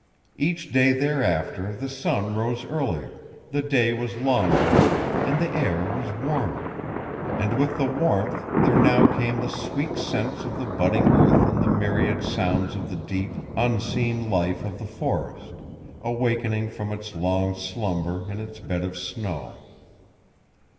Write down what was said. Each day thereafter the sun rose earlier, the day was longer, and the air was warmer; and with the warmth there now came the sweet scents of the budding earth and the myriad sounds of the deep, unseen life of the forest, awakening from its long slumber in its bed of snow.